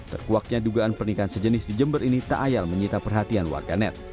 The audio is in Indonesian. terkuaknya dugaan pernikahan sejenis di jember ini tak ayal menyita perhatian warganet